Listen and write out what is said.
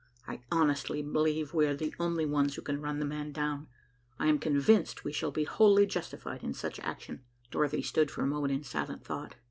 I honestly believe we are the only ones who can run the man down. I am convinced we shall be wholly justified in such action." Dorothy stood for a moment in silent thought.